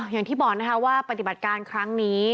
อย่างที่บอกนะคะว่าปฏิบัติการครั้งนี้